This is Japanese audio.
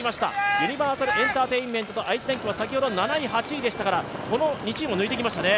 ユニバーサルエンターテインメントと愛知電機は先ほど、７位、８位ですから、この２チームを抜きましたね。